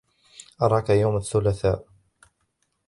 اراك يوم الثلاثاء.